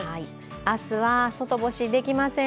明日は外干しできません。